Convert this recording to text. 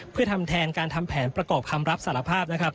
เพื่อทำแทนการทำแผนประกอบคำรับสารภาพนะครับ